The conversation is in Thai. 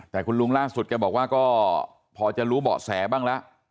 แต่คุณลุงล่าสุดแกบอกว่าก็พอจะรู้เบาะแสบ้างแล้ว